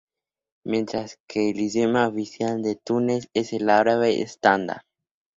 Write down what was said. Mientras que el idioma oficial de Túnez es el árabe estándar.